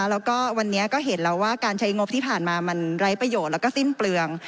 แล้วก็วันนี้ก็เห็นแล้วว่าการใช้งบที่ผ่านมามันไร้ประโยชน์แล้วก็สิ้นเปลือง